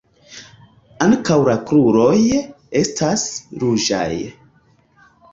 Ankaŭ la kruroj estas ruĝaj.